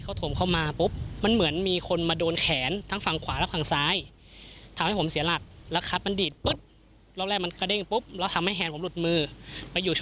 ร้องก็เลยเบี้ยวแล้วผมก็เนี่ยแฮนมันเป็นอย่างเงี้ย